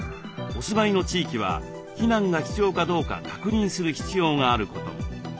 お住まいの地域は避難が必要かどうか確認する必要があることも。